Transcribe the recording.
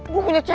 gue punya cewek